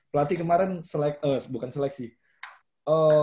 pelatih kemarin selek bukan selek sih